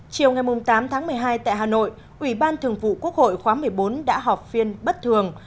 chiều ngày tám tháng một mươi hai tại hà nội ủy ban thường vụ quốc hội khóa một mươi bốn đã họp phiên bất thường